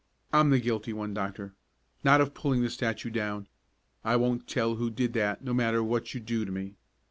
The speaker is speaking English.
I'm the guilty one, Doctor not of pulling the statue down I won't tell who did that, no matter what you do to me.